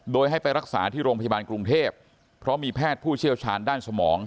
โดยให้ไปรักษาที่โรงพยาบาลกรุงเทพเพราะมีแพทย์ผู้เชี่ยวชาญด้านสมอง